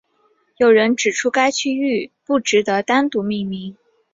有人指出该区域不值得单独命名。